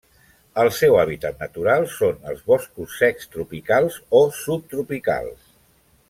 El seu hàbitat natural són els boscos secs tropicals o subtropicals.